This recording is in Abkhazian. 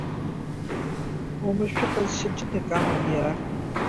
Омашәа ҟазшьа ҷыдак аман иара.